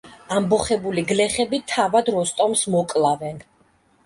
ამბოხებული გლეხები თავად როსტომს მოკლავენ.